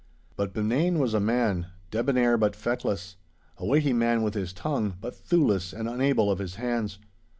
But Benane was a man, debonnair but feckless, a weighty man with his tongue, but thewless and unable of his hands.